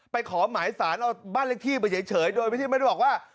ขอหมายสารเอาบ้านเลขที่ไปเฉยโดยที่ไม่ได้บอกว่า